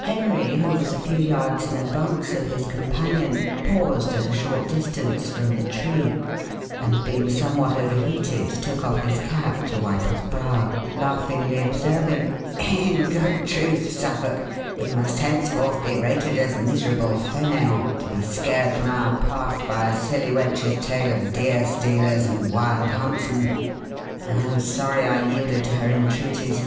Henry, who was a few yards in advance of his companion, paused at a short distance from the free, and being somewhat over heated, took off his cap to wipe his brow, laughingly observing "In good truth, Suffolk, we must henceforth be rated as miserable faineants, to be scared from our path by a silly wench's tale of deerstealers and wild huntsmen. I am sorry I yielded to her entreaties.